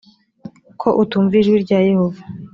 ko utumviye ijwi rya yehova